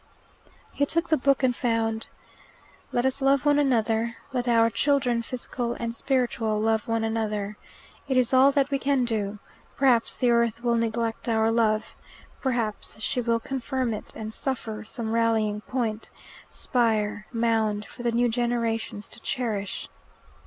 '" He took the book and found: "Let us love one another. Let our children, physical and spiritual, love one another. It is all that we can do. Perhaps the earth will neglect our love. Perhaps she will confirm it, and suffer some rallying point, spire, mound, for the new generations to cherish."